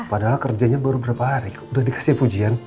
padahal kerjanya baru berapa hari udah dikasih pujian